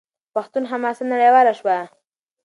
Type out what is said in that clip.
پښتون حماسه نړیواله شوه.